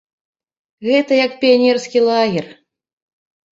Гэта як піянерскі лагер.